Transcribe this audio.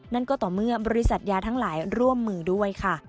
นั่นก็ต่อเมื่อบริษัทยาทั้งหลายร่วมมือด้วยค่ะ